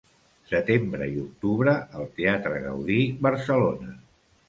Setembre i octubre al Teatre Gaudí Barcelona.